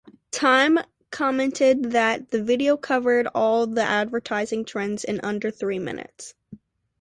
Time commented that the video covered all the advertising trends in under three minutes.